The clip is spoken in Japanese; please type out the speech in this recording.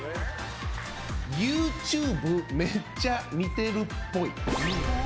ＹｏｕＴｕｂｅめっちゃ見てるっぽい。